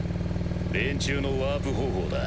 連中のワープ方法だ。